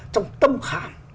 trong tâm khảm